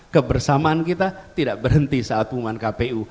kebersamaan kita tidak berhenti saat pengumuman kpu